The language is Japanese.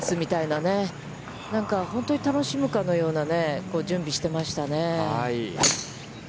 なんか本当に楽しむかのような準備をしてましたね。